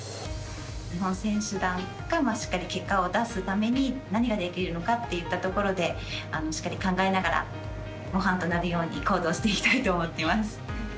日本選手団がしっかり結果を出すために何ができるのかといったところでしっかり考えながら模範となるように行動していきたいと思っています。